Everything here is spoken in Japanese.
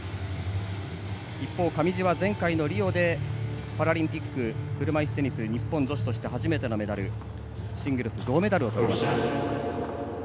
一方、上地は前回リオでパラリンピック車いすテニスとして初めてのメダルシングルス銅メダルをとりました。